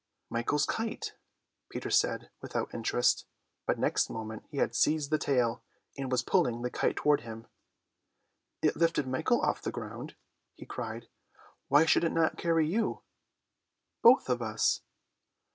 "Michael's kite," Peter said without interest, but next moment he had seized the tail, and was pulling the kite toward him. "It lifted Michael off the ground," he cried; "why should it not carry you?" "Both of us!"